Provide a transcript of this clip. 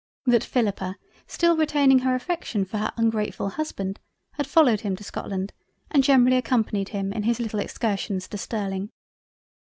That Philippa still retaining her affection for her ungratefull Husband, had followed him to Scotland and generally accompanied him in his little Excursions to Sterling.